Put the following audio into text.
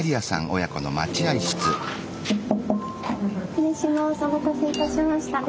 お待たせいたしました。